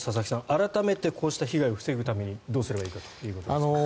改めてこうした被害を防ぐためにどうすればいいかということですが。